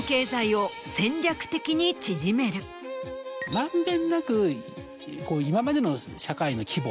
満遍なく今までの社会の規模